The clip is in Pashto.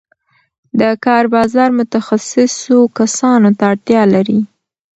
د کار بازار متخصصو کسانو ته اړتیا لري.